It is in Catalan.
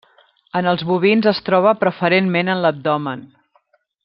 En els bovins es troba preferentment en l'abdomen.